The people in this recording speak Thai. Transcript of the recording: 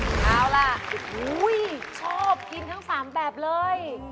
เอาล่ะชอบกินทั้ง๓แบบเลย